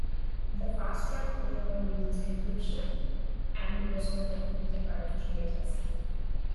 The FastTrack protocol uses encryption and was not documented by its creators.